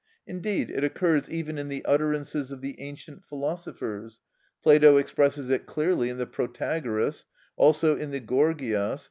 Indeed, it occurs even in the utterances of the ancient philosophers. Plato expresses it clearly in the "Protagoras" (p. 114, edit. Bip.), also in the "Gorgias" (p.